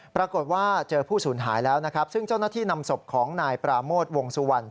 ปรากฏว่าเจอผู้สูญหายแล้วนะครับซึ่งเจ้าหน้าที่นำศพของนายปราโมทวงสุวรรณ